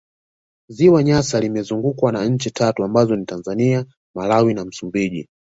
Ziwa Nyasa limezungukwa na nchi tatu ambazo ni Tanzania Malawi na Msumbiji